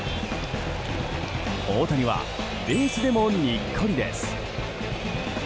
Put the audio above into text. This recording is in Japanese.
大谷はベースでもにっこりです。